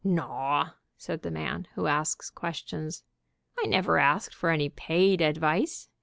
"Naw," said the man who asks questions, "I never asked for any paid advice.